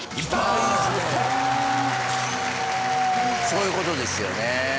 そういうことですよね。